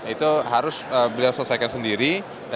itu harus beliau selesaikan sendiri